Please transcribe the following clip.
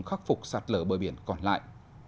khắc phục sạt lở bờ biển còn lại